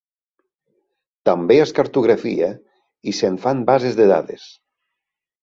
També es cartografia i se'n fan bases de dades.